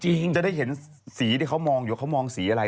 จะได้เห็นสีที่เขามองอยู่เขามองสีอะไร